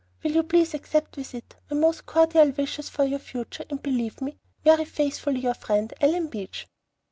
Will you please accept with it my most cordial wishes for your future, and believe me Very faithfully your friend, ALLEN BEACH.